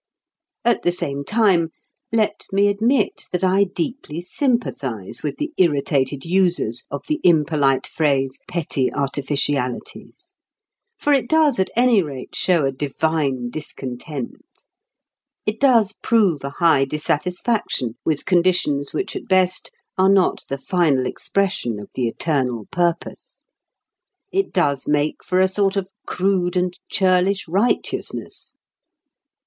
At the same time, let me admit that I deeply sympathize with the irritated users of the impolite phrase "petty artificialities." For it does at any rate show a "divine discontent"; it does prove a high dissatisfaction with conditions which at best are not the final expression of the eternal purpose. It does make for a sort of crude and churlish righteousness.